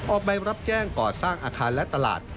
ใบรับแจ้งก่อสร้างอาคารและตลาด